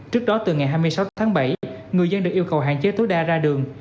trước đó từ ngày hai mươi sáu tháng bảy người dân được yêu cầu hạn chế tối đa ra đường